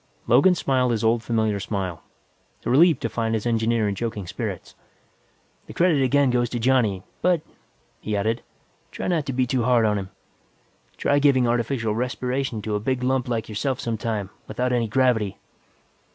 Logan smiled his old familiar smile, relieved to find his engineer in joking spirits. "The credit again goes to Johnny. But," he added, "try not to be too hard on him. Try giving artificial respiration to a big lump like yourself sometime, without any gravity."